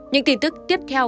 những tin tức tiếp theo